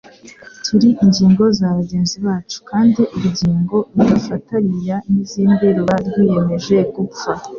Turi ingingo za bagenzi bacu kandi urugingo rudafatariya n'izindi ruba rwiyemeje gupfa,